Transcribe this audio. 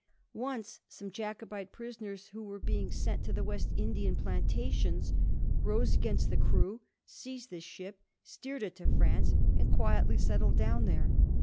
Once some Jacobite prisoners, who were being sent to the West Indian plantations, rose against the crew, seized the ship, steered it to France, and quietly settled down there.